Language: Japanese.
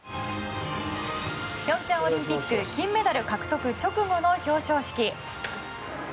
平昌オリンピック金メダル獲得直後の表彰式。